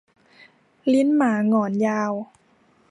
ลิ้นหมาหงอนยาว